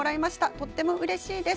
とてもうれしいです。